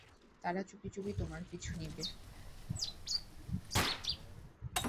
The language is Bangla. তারা চুপিচুপি তোমার পিছু নিবে।